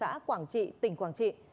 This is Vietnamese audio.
đã quảng trị tỉnh quảng trị